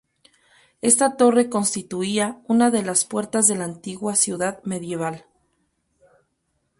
Esta torre constituía una de las puertas de la antigua ciudad medieval.